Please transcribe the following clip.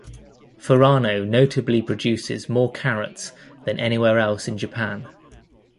Furano notably produces more carrots than anywhere else in Japan.